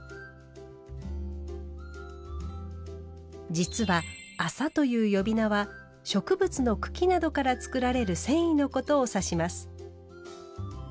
実は「麻」という呼び名は植物の茎などから作られる繊維のことを指します。